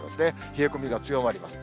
冷え込みが強まります。